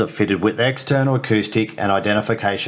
terpasang dengan tag eksternal dan identifikasi